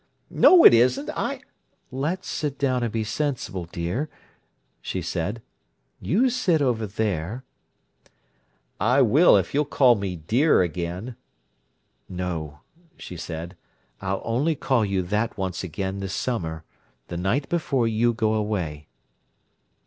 "No, it isn't! I—" "Let's sit down and be sensible, dear," she said. "You sit over there—" "I will if you'll call me, 'dear' again." "No," she said. "I'll only call you that once again this summer—the night before you go away."